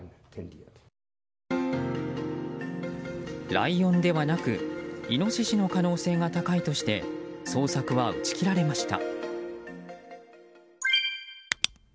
ライオンではなくイノシシの可能性が高いとして捜索は打ち切られました。